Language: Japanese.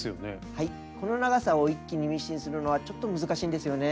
はいこの長さを一気にミシンするのはちょっと難しいんですよね。